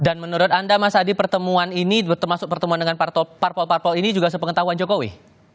dan menurut anda mas adi pertemuan ini termasuk pertemuan dengan parpol parpol ini juga sepengetahuan jokowi